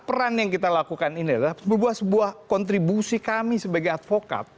peran yang kita lakukan ini adalah sebuah kontribusi kami sebagai advokat